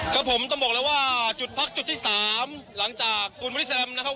ครับผมต้องบอกเลยว่าจุดพักจุดที่๓หลังจากตูนบริสแลมนะครับ